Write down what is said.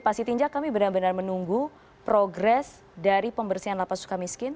pak sitinja kami benar benar menunggu progres dari pembersihan lapas suka miskin